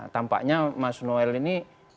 tampaknya mas noel ini